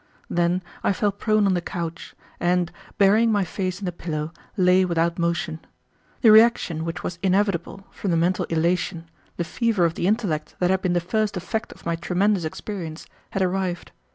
Then I fell prone on the couch, and, burying my face in the pillow, lay without motion. The reaction which was inevitable, from the mental elation, the fever of the intellect that had been the first effect of my tremendous experience, had arrived.